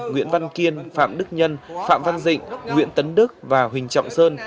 nguyễn văn kiên phạm đức nhân phạm văn dịch nguyễn tấn đức và huỳnh trọng sơn